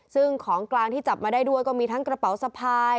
ซึ่งของกลางที่จับมาได้ด้วยก็มีทั้งกระเป๋าสะพาย